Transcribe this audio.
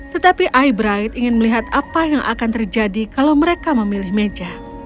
tetapi eyebrite ingin melihat apa yang akan terjadi kalau mereka memilih meja